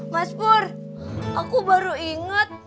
mas por aku baru ingat